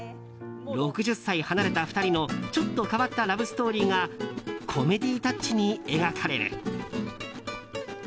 ６０歳離れた２人のちょっと変わったラブストーリーがコメディータッチに描かれる。